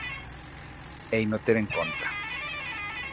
Heino ter en conta